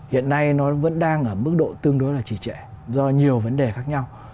hiện nay nó vẫn đang ở mức độ tương đối là trì trệ do nhiều vấn đề khác nhau